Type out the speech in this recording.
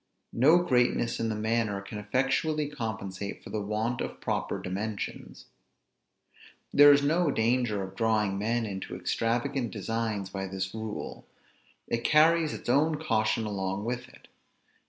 No greatness in the manner can effectually compensate for the want of proper dimensions. There is no danger of drawing men into extravagant designs by this rule; it carries its own caution along with it.